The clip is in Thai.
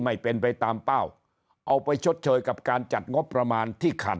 ไม่เป็นไปตามเป้าเอาไปชดเชยกับการจัดงบประมาณที่ขาด